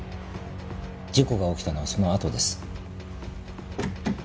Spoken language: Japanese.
事故が起きたのはそのあとです。